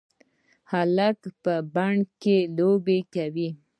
هلک په بڼ کې لوبې کوي.